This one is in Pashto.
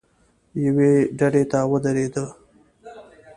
یوې ډډې ته ودرېدو.